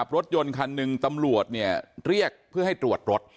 รถยนต์คันหนึ่งตำรวจเรียกเพื่อให้ตรวจรถ